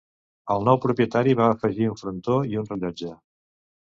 El nou propietari va afegir un frontó i un rellotge.